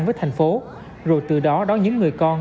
với thành phố rồi từ đó đón những người con